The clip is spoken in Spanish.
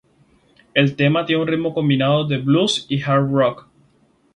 El tema tiene un ritmo combinado de blues y hard rock.